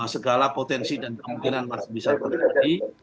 segala potensi dan kemungkinan masih bisa terjadi